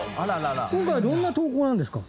今回はどんな投稿なんですか？